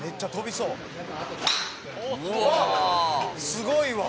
「すごいわ！」